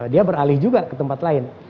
dia beralih juga ke tempat lain